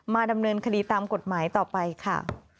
ดำเนินคดีตามกฎหมายต่อไปค่ะ